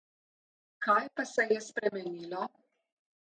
Kaj pa se je spremenilo?